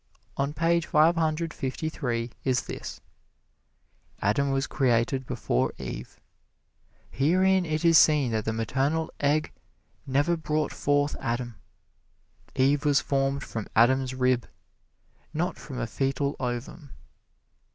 On page five hundred fifty three is this: "Adam was created before Eve. Herein it is seen that the maternal egg never brought forth Adam. Eve was formed from Adam's rib, not from a fetal ovum."